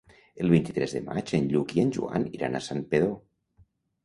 El vint-i-tres de maig en Lluc i en Joan iran a Santpedor.